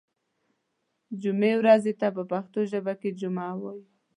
جمعې ورځې ته په پښتو ژبه کې جمعه وایی